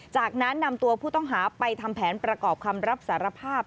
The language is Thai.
จากนั้นนำตัวผู้ต้องหาไปทำแผนประกอบคำรับสารภาพ